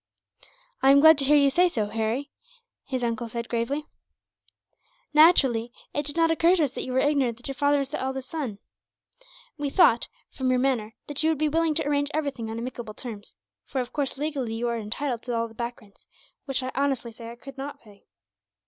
"I am glad to hear you say so, Harry," his uncle said, gravely. "Naturally, it did not occur to us that you were ignorant that your father was the eldest son. We thought, from your manner, that you would be willing to arrange everything on amicable terms; for of course, legally, you are entitled to all the back rents, which I honestly say I could not pay.